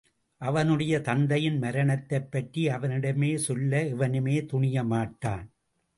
அவனுடைய தந்தையின் மரணத்தைப்பற்றி அவனிடமே சொல்ல எவனுமே துணியமாட்டான்.